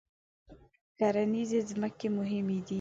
کرنیزې ځمکې مهمې دي.